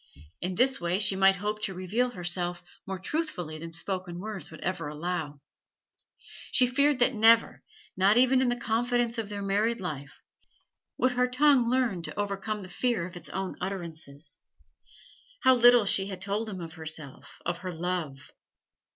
In this way she might hope to reveal herself more truthfully than spoken words would ever allow; she feared that never, not even in the confidence of their married life, would her tongue learn to overcome the fear of its own utterances. How little she had told him of herself, of her love!